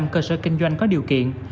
hai mươi năm cơ sở kinh doanh có điều kiện